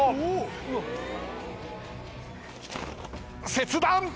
切断！